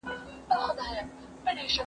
هجر دا دی چي خاوند جنسي اړيکه ورسره پرې کړي.